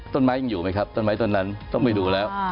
ต้นไม้ยังอยู่ไหมครับต้นไม้ต้นนั้นต้องไปดูแล้ว